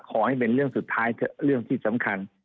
ขอให้เป็นเรื่องสุดท้ายเถอะเรื่องที่สำคัญ